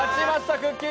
くっきー！